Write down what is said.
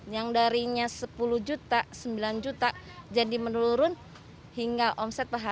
yang darinya sepuluh juta sembilan juta jadi menurun hingga omset paham